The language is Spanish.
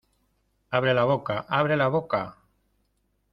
abre la boca. abre la boca .